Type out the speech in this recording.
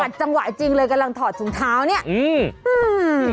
จังหวะจริงเลยกำลังถอดถุงเท้าเนี้ยอืมอืม